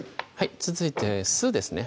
続いて酢ですね